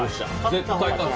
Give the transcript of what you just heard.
絶対、勝つ。